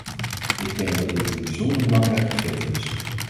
Ik denk dat dit een bijzonder belangrijk gegeven is.